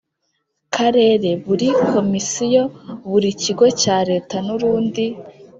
Karere buri Komisiyo buri kigo cya Leta n urundi